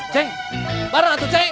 ceng barang atuh ceng